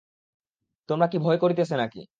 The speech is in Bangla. তোমার কি ভয় করিতেছে নাকি?